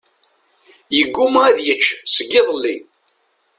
Iguma ad yečč seg iḍelli.